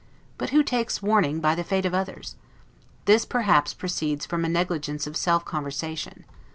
But who takes warning by the fate of others? This, perhaps, proceeds from a negligence of selfconversation.